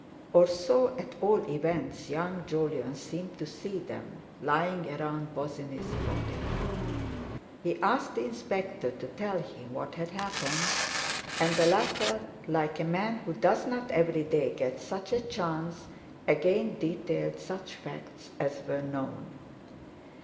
Or so at all events young Jolyon seemed to see them, lying around Bosinney's body. He asked the Inspector to tell him what had happened, and the latter, like a man who does not every day get such a chance, again detailed such facts as were known.